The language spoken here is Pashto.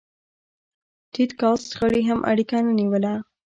ټيټ کاست غړي هم اړیکه نه نیوله.